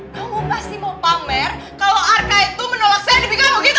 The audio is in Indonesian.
kamu pasti mau pamer kalau arka itu menolak saya demi kamu gitu